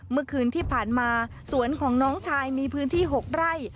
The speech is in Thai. เมื่อคืนที่ผ่านมาสวนของน้องชายมีพื้นที่๖ไร่